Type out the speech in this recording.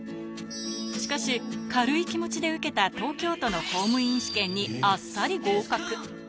しかし、軽い気持ちで受けた東京都の公務員試験にあっさり合格。